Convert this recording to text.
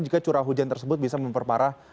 jika curah hujan tersebut bisa memperparah